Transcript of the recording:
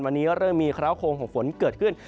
วันนี้เริ่มมีเคราะโคงของฝนเกิดขึ้น